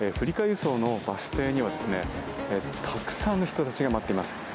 輸送のバス停にはたくさんの人たちが待っています。